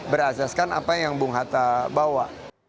berasaskan apa yang bung hatta bawa